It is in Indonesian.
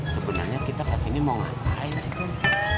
sebenarnya kita ke sini mau ngapain sih kan